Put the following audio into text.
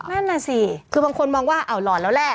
นั่นน่ะสิคือบางคนมองว่าเอาหล่อนแล้วแหละ